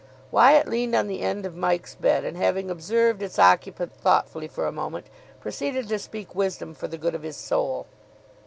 Wyatt leaned on the end of Mike's bed, and, having observed its occupant thoughtfully for a moment, proceeded to speak wisdom for the good of his soul.